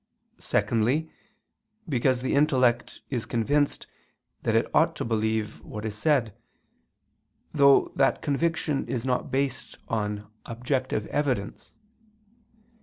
Secondly, because the intellect is convinced that it ought to believe what is said, though that conviction is not based on objective evidence.